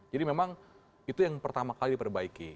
jadi memang itu yang pertama kali diperbaiki